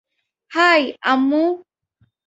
High, আম্মু!